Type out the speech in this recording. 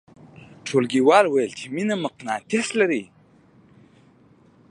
ټولګیوالو ویل چې مینه مقناطیس لري